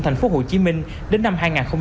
tp hcm đến năm hai nghìn bốn mươi